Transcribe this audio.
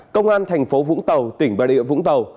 công an thành phố vũng tàu tỉnh bà địa vũng tàu